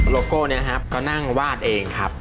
โก้เนี่ยครับก็นั่งวาดเองครับ